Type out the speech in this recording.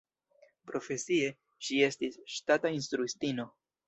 Profesie, ŝi estis ŝtata instruistino.